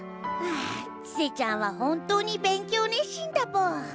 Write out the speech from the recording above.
あちせちゃんは本当に勉強熱心だぽん。